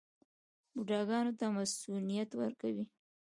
بوډاګانو ته مصوونیت ورکوي.